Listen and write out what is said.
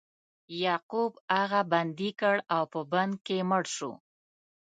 یعقوب هغه بندي کړ او په بند کې مړ شو.